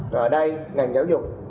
và ở đây ngành giáo dục